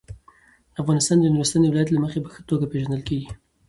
افغانستان د نورستان د ولایت له مخې په ښه توګه پېژندل کېږي.